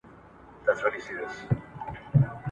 د نښتر وني جنډۍ سوې د قبرونو